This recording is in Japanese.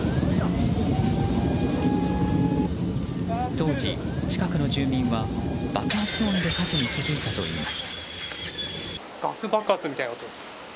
当時、近くの住民は爆発音で火事に気付いたといいます。